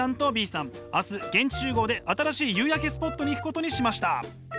明日現地集合で新しい夕焼けスポットに行くことにしました。